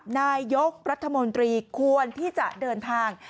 นายกรัฐมนตรีควรที่จะเดินทาง